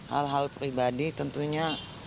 hal hal pribadi tentunya